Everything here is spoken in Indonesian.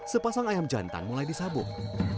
sepasang ayam jantan mulai disabuk